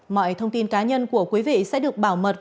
mọi thông tin cá nhân của quý vị sẽ được bảo mật